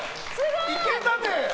いけたね！